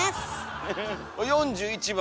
４１番。